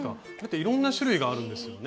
いろんな種類があるんですよね。